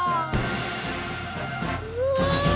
うわ！